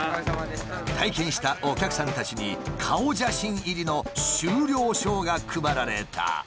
体験したお客さんたちに顔写真入りの終了証が配られた。